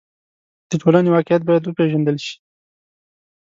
د ټولنې واقعیت باید وپېژندل شي.